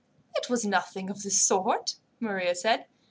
"It was nothing of the sort," Maria said.